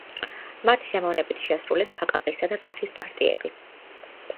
მათ სიამოვნებით შეასრულეს ბაყაყისა და ტახის პარტიები.